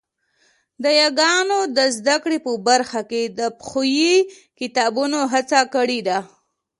د یاګانو د زده کړې په برخه کې د پښويې کتابونو هڅه کړې ده